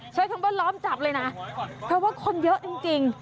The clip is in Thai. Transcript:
ใช้คำว่าล้อมจับเลยนะเพราะว่าคนเยอะจริง